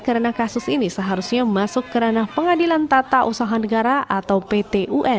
karena kasus ini seharusnya masuk ke ranah pengadilan tata usaha negara atau pt